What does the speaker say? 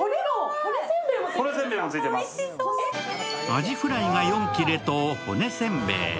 アジフライが４切れと骨せんべい